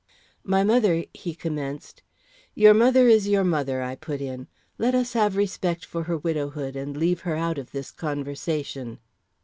"My mother," he commenced. "Your mother is your mother," I put in. "Let us have respect for her widowhood, and leave her out of this conversation."